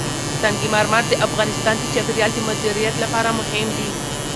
سنگ مرمر د افغانستان د چاپیریال د مدیریت لپاره مهم دي.